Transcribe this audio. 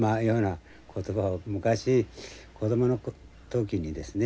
昔子供の時にですね